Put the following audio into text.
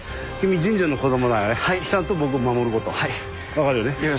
分かるよね？